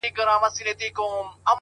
كبرجن وو ځان يې غوښتى په دنيا كي.!